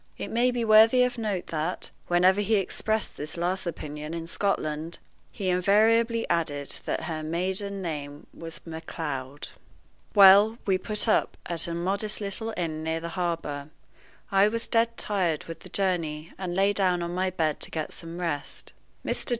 It may be worthy of note that, whenever he expressed this last opinion in Scotland, he invariably added that her maiden name was Macleod. Well, we put up at a modest little inn near the harbor. I was dead tired with the journey, and lay down on my bed to get some rest. Mr.